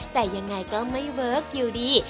แต่ยังไงก็ไม่เวิร์คอยู่ดี